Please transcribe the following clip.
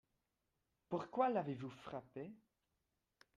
Pourquoi l’avez-vous frappé ?